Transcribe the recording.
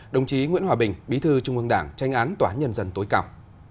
đồng chí nguyễn hòa bình bí thư trung ương đảng tranh án tòa án nhân dân tối cao